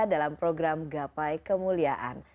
dalam program gapai kemuliaan